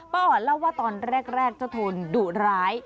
อ่อนเล่าว่าตอนแรกเจ้าโทนดุร้าย